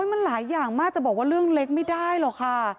มันหลายอย่างมากจะบอกว่าเรื่องเล็กไม่ได้หรอกค่ะ